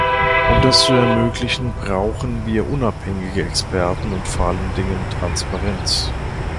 Um das zu ermöglichen, brauchen wir unabhängige Experten und vor allen Dingen Transparenz.